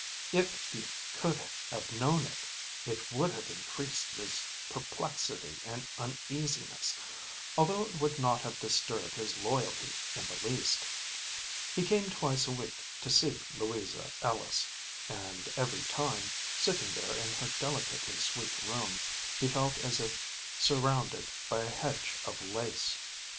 If he could have known it, it would have increased his perplexity and uneasiness, although it would not have disturbed his loyalty in the least. He came twice a week to see Louisa Ellis, and every time, sitting there in her delicately sweet room, he felt as if surrounded by a hedge of lace.